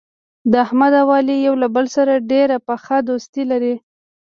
د احمد او علي یو له بل سره ډېره پخه دوستي لري.